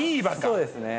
そうですね。